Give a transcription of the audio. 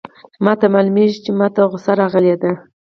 ما ته معلومیږي چي ما ته غوسه راغلې ده.